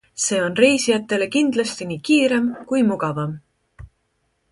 See on reisijale kindlasti nii kiirem kui mugavam.